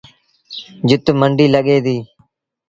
جت منڊيٚ لڳي ديٚ